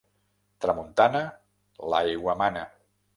Tramuntana, l'aigua mana.